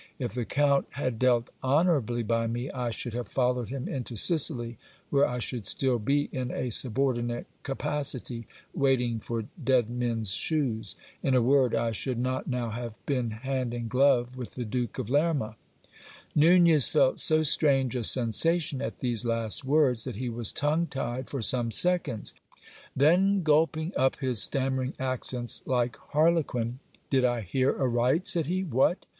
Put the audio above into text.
If the count had dealt honourably by me, I should have followed him into Sicily, where I should still be in a subordinate capacity, waiting for dead men's shoes. In a word, I should not now have been hand in glove with the Duke of Lerma. ( Nunez felt so strange a sensation at these last words, that he was tongue tied for some seconds. Then gulping up his stammering accents like harlequin, Did I hear aright? said he. What!